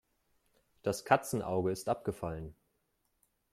Das Katzenauge ist abgefallen.